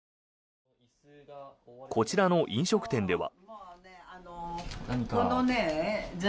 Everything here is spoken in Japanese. こちらの飲食店では。